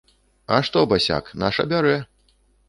А што, басяк, наша бярэ!